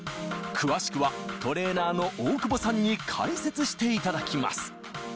詳しくはトレーナーの大久保さんに解説していただきます